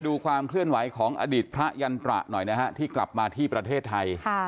ดูความเคลื่อนไหวของอดีตพระยันตระหน่อยนะฮะที่กลับมาที่ประเทศไทย